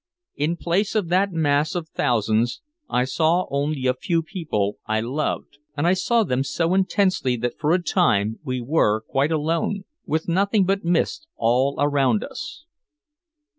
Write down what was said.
In place of that mass of thousands, I saw only a few people I loved, and I saw them so intensely that for a time we were quite alone, with nothing but mist all around us.